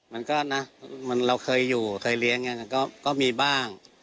มันก็นะเราเคยอยู่เคยเลี้ยงก็มีบ้าง